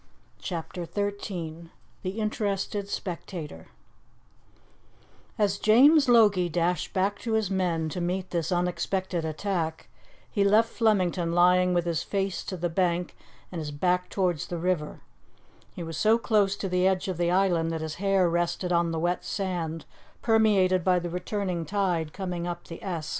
CHAPTER XIII THE INTERESTED SPECTATOR AS James Logie dashed back to his men to meet this unexpected attack, he left Flemington lying with his face to the bank and his back towards the river; he was so close to the edge of the island that his hair rested on the wet sand permeated by the returning tide coming up the Esk.